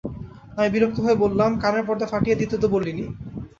আমি বিরক্ত হয়ে বললাম, কানের পর্দা ফাটিয়ে দিতে তো বলি নি।